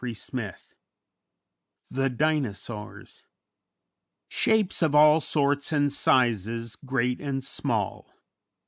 ] VI THE DINOSAURS "_Shapes of all sorts and sizes, great and small.